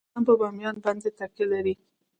افغانستان په بامیان باندې تکیه لري.